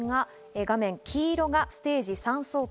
画面黄色がステージ３相当。